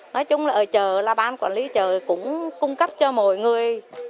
nói chung là ở chợ là ban quản lý chợ cũng cung cấp cho mọi người